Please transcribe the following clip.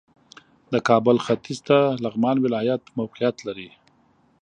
د کابل ختیځ ته لغمان ولایت موقعیت لري